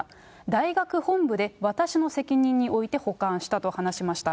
大学本部で私の責任において保管したと話しました。